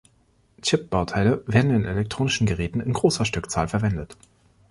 Chip-Bauteile werden in elektronischen Geräten in großer Stückzahl verwendet.